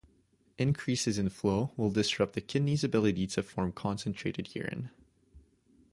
Increases in flow will disrupt the kidney's ability to form concentrated urine.